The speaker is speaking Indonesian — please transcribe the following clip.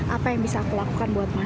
apa yang bisa aku lakukan buat uang ini ya